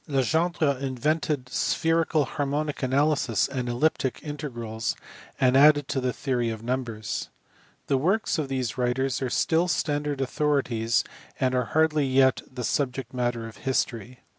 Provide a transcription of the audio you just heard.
Legendre invented spherical harmonic analysis and elliptic integrals, and added to the theory of numbers. The works of these writers are still standard authorities and are hardly yet the subject matter of history.